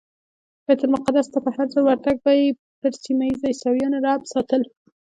بیت المقدس ته په هرځل ورتګ به یې پر سیمه ایزو عیسویانو رعب ساتل.